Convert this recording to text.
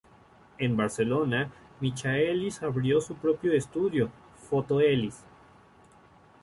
En Barcelona, Michaelis abrió su propio estudio, "Foto-elis".